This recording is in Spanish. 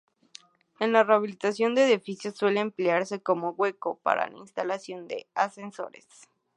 En la rehabilitación de edificios suele emplearse como hueco para la instalación de ascensores.